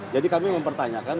jadi kami mempertanyakan